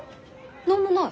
何もない。